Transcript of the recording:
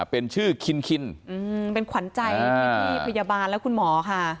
เป็นชื่อคินคินเป็นขวัญใจพี่พยาบาลและคุณหมอค่ะ